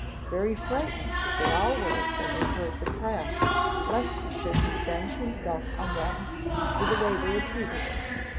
Very frightened they all were when they heard the crash, lest he should revenge himself on them for the way they had treated him.